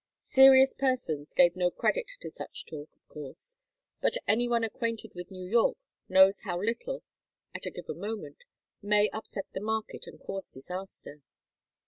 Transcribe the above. Serious persons gave no credit to such talk, of course, but any one acquainted with New York knows how little, at a given moment, may upset the market and cause disaster.